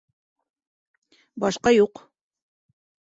Башҡа юҡ.